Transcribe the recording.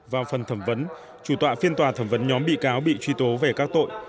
vào phần thẩm vấn chủ tọa phiên tòa thẩm vấn nhóm bị cáo bị truy tố về các tội